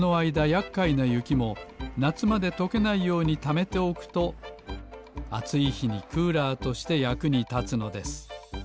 やっかいなゆきもなつまでとけないようにためておくとあついひにクーラーとしてやくにたつのです